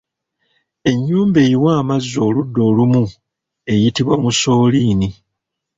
Ennyumba eyiwa amazzi oludda olumu eyitibwa Musooliini.